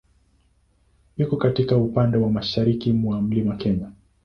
Iko katika upande wa mashariki mwa Mlima Kenya.